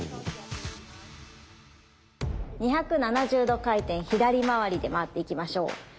２７０度回転左回りで回っていきましょう。